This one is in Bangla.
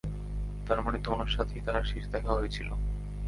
তারমানে তোমার সাথেই তার শেষ দেখা হয়েছিল।